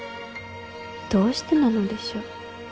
どうしてなのでしょう。